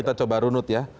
ini sobat runut ya